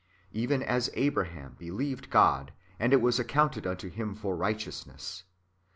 Even as Abraham believed God, and it was ac counted unto him for righteousness.